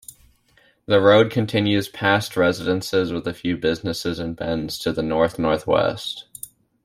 The road continues past residences with a few businesses and bends to the north-northwest.